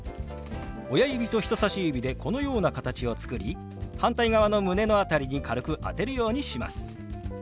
親指と人さし指でこのような形を作り反対側の胸の辺りに軽く当てるようにします。